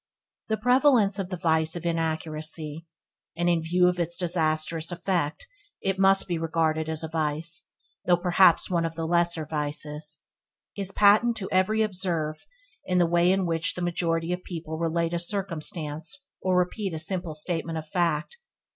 The prevalence of the vice of inaccuracy (and in view of its disastrous effect it must be regarded as a vice, though perhaps one of the lesser vices) is patent to every observe in the way in which the majority of people relate a circumstance or repeat a simple statement of fact.